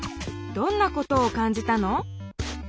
どんなことをかんじたの？